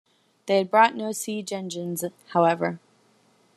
They had brought no siege engines, however.